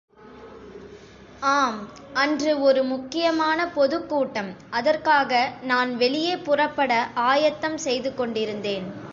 ஆம் அன்று ஒரு முக்கியமான பொதுக்கூட்டம் அதற்காக நான் வெளியே புறப்பட ஆயத்தம் செய்து கொண்டிருந்தேன்.